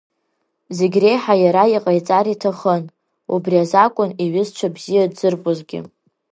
Зегь реиҳа иара иҟаиҵар иҭахын, убри азакәын иҩызцәа бзиа дзырбозгьы.